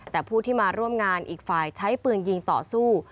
แต่ผู้ที่มาร่วมงานอีกฝ่ายใช้ปืนยิงต่อสู้